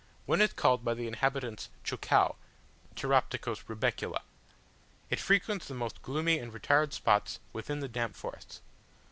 One is called by the inhabitants "Cheucau" (Pteroptochos rubecula): it frequents the most gloomy and retired spots within the damp forests.